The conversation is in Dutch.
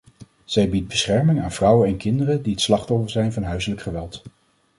Zij biedt bescherming aan vrouwen en kinderen die het slachtoffer zijn van huiselijk geweld.